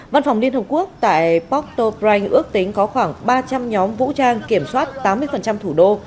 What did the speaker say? văn phòng liên hợp quốc tại port au prince ước tính có khoảng ba trăm linh nhóm vũ trang kiểm soát tám mươi thủ đô